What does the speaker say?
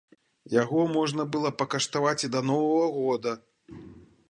Яго можна было пакаштаваць і да новага года.